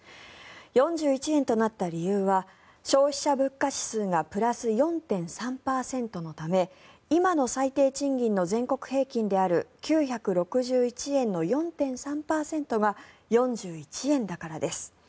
４１円となった理由は消費者物価指数がプラス４．３％のため今の最低賃金の全国平均である９６１円の４．３％が４１円だからです。